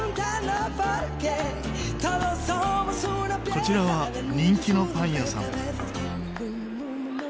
こちらは人気のパン屋さん。